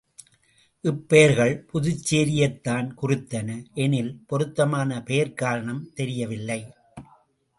இப்பெயர்கள் புதுச்சேரியைத்தான் குறித்தன எனில், பொருத்தமான பெயர்க்காரணம் தெரியவில்லை.